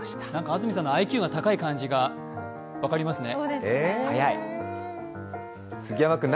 安住さんのＩＱが高い感じが分かりますね。